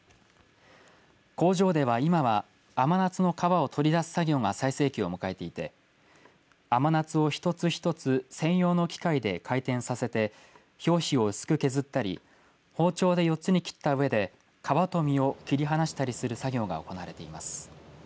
工場では今は甘夏の皮を取り出す作業が最盛期を迎えていて甘夏を一つ一つ専用の機械で回転させて表皮を薄く削ったり包丁で４つに切ったうえで皮と実を切り離したりする作業が行われています。